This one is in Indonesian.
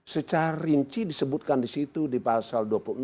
secara rinci disebutkan di situ di pasal dua puluh enam